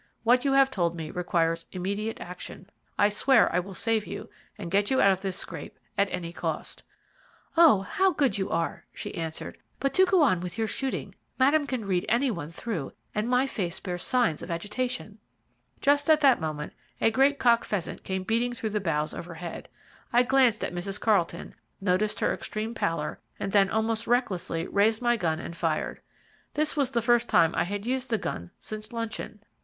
What you have told me requires immediate action. I swear I will save you and get you out of this scrape at any cost." "Oh, how good you are," she answered; "but do go on with your shooting. Madame can read any one through, and my face bears signs of agitation." Just at that moment a great cock pheasant came beating through the boughs overhead. I glanced at Mrs. Carlton, noticed her extreme pallor, and then almost recklessly raised my gun and fired. This was the first time I had used the gun since luncheon.